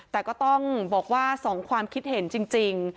แต่ก็ต้องบอกว่า๒ความคิดเห็นจริง